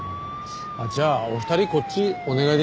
じゃあお二人こっちお願いできます？